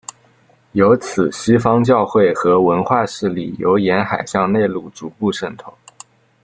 由此西方教会和文化势力由沿海向内陆逐步渗透。